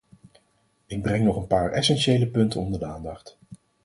Ik breng nog een paar essentiële punten onder de aandacht.